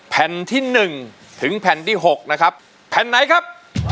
แผ่นที่๑ถึงแผ่นที่๖นะครับแผ่นไหนครับ